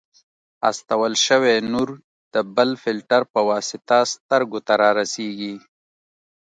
استول شوی نور د بل فلټر په واسطه سترګو ته رارسیږي.